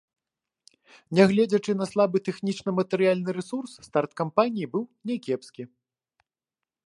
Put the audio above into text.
Нягледзячы на слабы тэхнічна-матэрыяльны рэсурс, старт кампаніі быў някепскі.